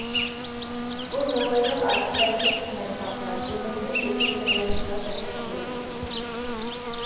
بۇ مىڭئۆينىڭ ئارقا تەرىپى چىمەنتاغقا، جەنۇبى ئۆگەن دەرياسىغا بېقىشىپ تۇرىدۇ.